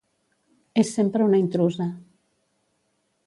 És sempre una intrusa.